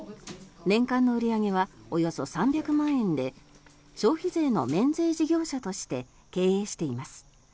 年間の売り上げはおよそ３００万円で消費税の免税事業者として経営しています。